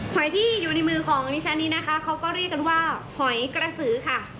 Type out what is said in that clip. หอยที่อยู่ในมือของดิฉันนี้นะคะเขาก็เรียกกันว่าหอยกระสือค่ะ